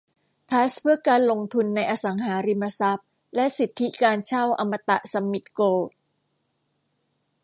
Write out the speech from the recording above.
ทรัสต์เพื่อการลงทุนในอสังหาริมทรัพย์และสิทธิการเช่าอมตะซัมมิทโกรท